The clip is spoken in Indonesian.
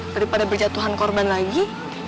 daripada berjatuhan korban lagi